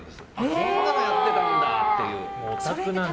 こんなのやってたんだって。